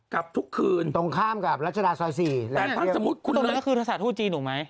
กับทุกคืนตรงข้ามกับรัชดาซอย๔แต่ถ้าเทียบตรงนั้นคือสถานทูตจีนเหรอไหม